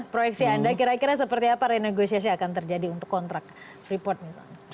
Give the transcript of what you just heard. proyeksi anda kira kira seperti apa renegosiasi akan terjadi untuk kontrak freeport misalnya